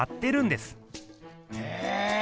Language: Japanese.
へえ！